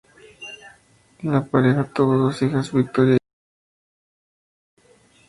La pareja tuvo dos hijas, Victoria y Jessica.